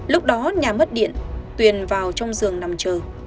lúc đó nhà mất điện tuyền vào trong giường nằm chờ